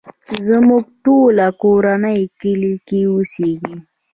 زموږ ټوله کورنۍ کلی کې اوسيږې.